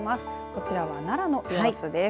こちらは奈良の様子です。